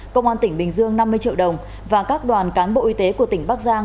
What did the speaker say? công an tỉnh bình dương năm mươi triệu đồng và các đoàn cán bộ y tế của tỉnh bắc giang